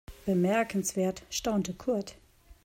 Bemerkenswert, staunte Kurt.